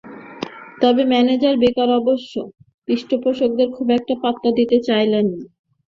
তবে, manager Baker অবশ্য পৃষ্ঠপোষকদের খুব একটা পাত্তা দিতে চাইছেন না।